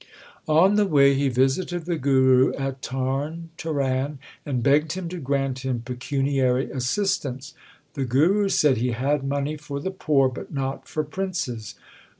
On the way he visited the Guru at Tarn Taran and begged him to grant him pecuniary assistance. The Guru said he had money for the poor, but not for princes.